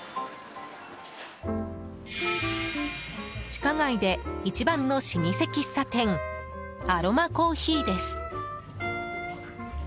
地下街で、一番の老舗喫茶店アロマ珈琲です。